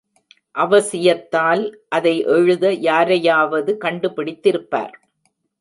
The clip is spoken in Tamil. அவசியத்தால், அதை எழுத யாரையாவது கண்டுபிடித்திருப்பார்.